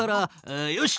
よし！